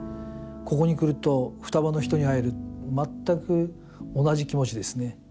ここに来ると双葉の人に会える全く同じ気持ちですね。